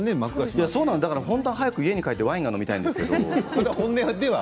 本当は早く家に帰ってワイン飲みたいんですけれど。